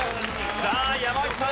さあ山内さん